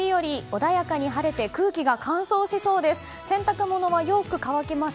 穏やかに晴れて空気が乾燥しそうです。